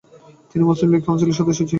তিনি মুসলিম লীগ কাউন্সিলের সদস্য ছিলেন।